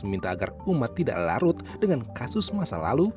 meminta agar umat tidak larut dengan kasus masa lalu